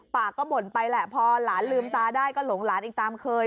ปากก็บ่นไปแหละพอหลานลืมตาได้ก็หลงหลานอีกตามเคย